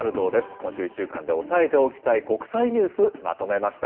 今週１週間で押さえておきたい国際ニュースまとめました。